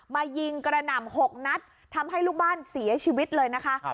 มายิงกระหน่ำ๖นัดทำให้ลูกบ้านเสียชีวิตเลยนะคะ